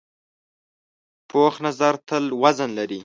پوخ نظر تل وزن لري